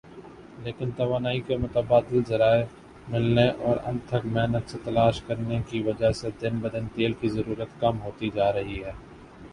لیکن توانائی کے متبادل ذرائع ملنے اور انتھک محنت سے تلاش کرنے کی وجہ سے دن بدن تیل کی ضرورت کم ہوتی جارہی ھے